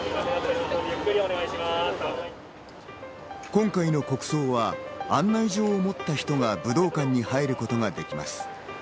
今回の国葬は案内状を持った人が武道館に入ることができます。